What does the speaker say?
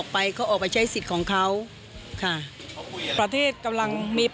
แม้จังหวัดนี้